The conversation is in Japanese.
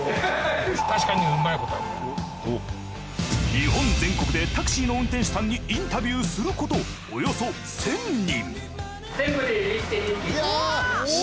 日本全国でタクシーの運転手さんにインタビューすることおよそ１，０００人。